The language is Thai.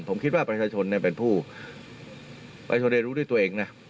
ผมคิดว่าประชาชนเป็นผู้ประชาชนได้รู้ด้วยตัวเองนะ